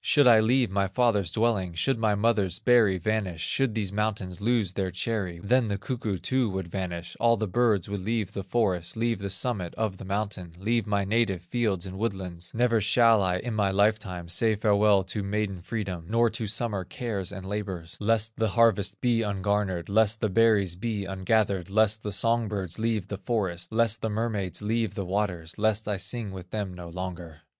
Should I leave my father's dwelling, Should my mother's berry vanish, Should these mountains lose their cherry, Then the cuckoo too would vanish, All the birds would leave the forest, Leave the summit of the mountain, Leave my native fields and woodlands, Never shall I, in my life time, Say farewell to maiden freedom, Nor to summer cares and labors, Lest the harvest be ungarnered, Lest the berries be ungathered, Lest the song birds leave the forest, Lest the mermaids leave the waters, Lest I sing with them no longer."